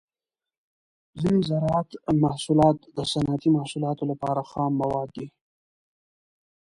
ځینې زراعتي محصولات د صنعتي محصولاتو لپاره خام مواد دي.